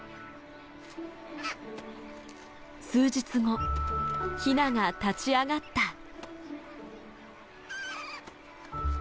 数日後ヒナが立ち上がった。